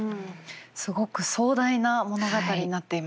すごく壮大な物語になっていますね。